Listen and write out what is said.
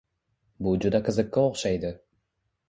Bu juda qiziqqa o‘xshaydi.